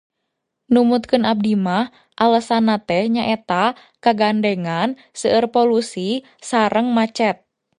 Numutkeun abdi mah alesanna teh nyaeta kagandengan, seueur polusi, sareng macet.